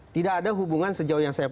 tidak ada hubungan sejauh yang saya